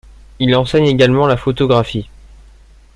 Il enseigne également la photographie.